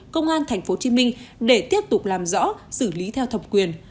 công an tp hcm để tiếp tục làm rõ xử lý theo thẩm quyền